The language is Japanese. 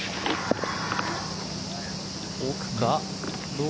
奥か？